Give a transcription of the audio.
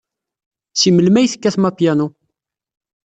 Seg melmi ay tekkatem apyanu?